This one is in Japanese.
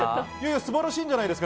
素晴らしいんじゃないですか？